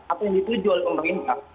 apa yang dituju oleh pemerintah